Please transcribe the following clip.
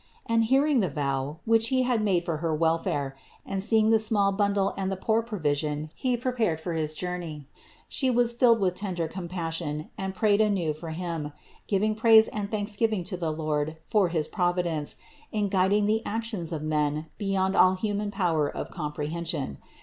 And hearing the vow, which he made for her welfare, and seeing the small bundle and the poor provision he prepared for his jour ney, She was rilled with tender compassion and prayed anew for him, giving praise and thanks to the Lord for his Providence in guiding the actions of men beyond all human power of comprehension.